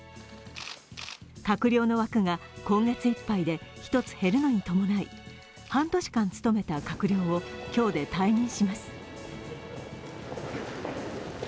閣僚の枠が今月いっぱいで１つ減るのに伴い半年間務めた閣僚を今日で退任します。